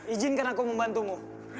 ijinkan aku membantumu